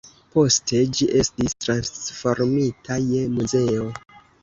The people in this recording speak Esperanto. Poste ĝi estis transformita je muzeo.